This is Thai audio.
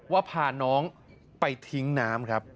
ว่าพาน้องไปทิ้งน้ำครับ